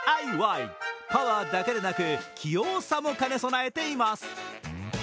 パワーだけでなく器用さも兼ね備えています。